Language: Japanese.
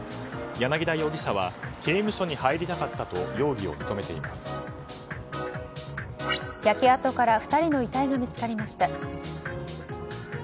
柳田容疑者は刑務所に入りたかったと焼け跡から２人の遺体が見つかりました。